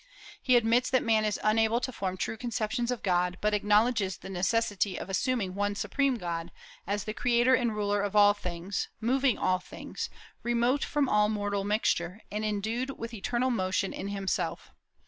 He admits that man is unable to form true conceptions of God, but acknowledges the necessity of assuming one supreme God as the creator and ruler of all things, moving all things, remote from all mortal mixture, and endued with eternal motion in himself.